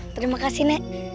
terima kasih nek